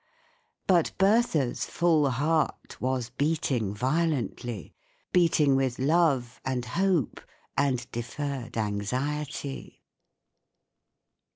But Bertha's full heart was beating violently. Beating with love and hope and deferred anxiety.